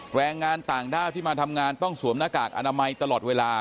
แรงงานต่างด้าวที่มาทำงานต้องสวมหน้ากากอนามัยตลอดเวลา